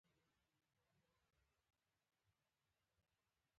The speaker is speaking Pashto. تر نيمو شپو خوب نه راته.